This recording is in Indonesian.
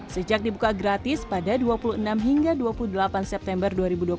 sejak dibuka gratis pada dua puluh enam hingga dua puluh delapan september dua ribu dua puluh satu